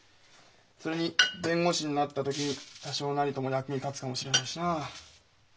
それに弁護士になった時に多少なりとも役に立つかもしれないしな。